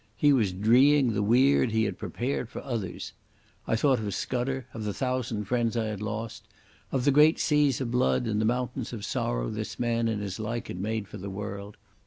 He was dreeing the weird he had prepared for others. I thought of Scudder, of the thousand friends I had lost, of the great seas of blood and the mountains of sorrow this man and his like had made for the world.